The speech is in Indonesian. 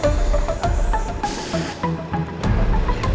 udah pakco ini ga pada punktum